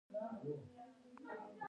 کیش او قشم تفریحي ټاپوګان دي.